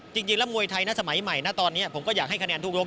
จริงแล้วมวยไทยนะสมัยใหม่นะตอนนี้ผมก็อยากให้คะแนนทุกรบ